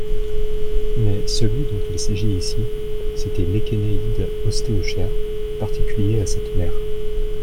Mais, celui dont il s'agit ici, c'était l'échénéïde ostéochère, particulier à cette mer.